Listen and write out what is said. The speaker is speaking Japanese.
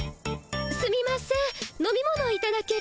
すみません飲み物いただける？